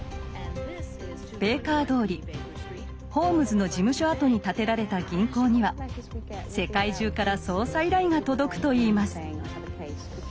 ベイカー通りホームズの事務所跡に建てられた銀行には世界中から捜査依頼が届くといいます。